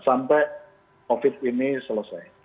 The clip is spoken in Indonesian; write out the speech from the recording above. sampai covid ini selesai